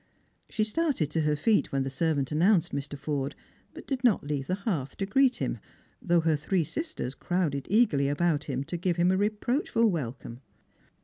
She started to her feet when the servant announced Mr. Forde, but did not leave the hearth to greet him, though her three sisters crowded eagerly about him to give him a reproachful welcome.